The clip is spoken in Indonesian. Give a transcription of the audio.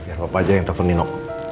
biar papa aja yang telepon nino